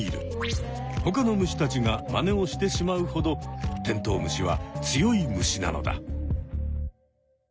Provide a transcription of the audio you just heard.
ほかの虫たちがまねをしてしまうほどテントウムシは強い虫なのだ。